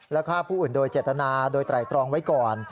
และฆ่าผู้อื่นโดยเจตนาโดยไตรตรองไว้ก่อน